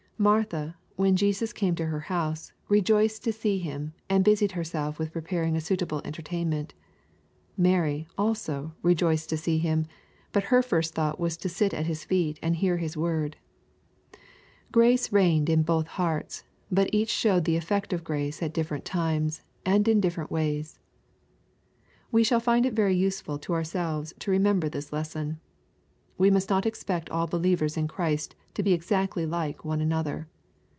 Martha, when Jesus came to her house, rejoiced to see Him, and busied herself with preparing a suitable entertainment. Mary, also, rejoiced to see Him, but her first thought was to sit at His feet and hear His word. Grace reigned in both hearts, but each showed the effect of grace at different times, and in different ways. We shall find it very useful to ourselves to remember this lesson. We must not expect all believers in Christ to be exactly like one another.